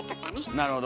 なるほど。